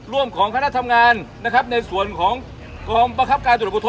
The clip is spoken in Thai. ร่วมของคณะทำงานนะครับในส่วนของกองประคับการตรวจประท